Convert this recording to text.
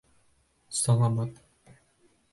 Саламат.